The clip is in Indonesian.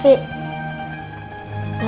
saya ingin berdoa